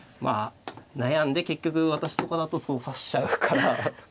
悩んで結局私とかだとそう指しちゃうから。